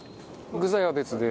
具材は別で。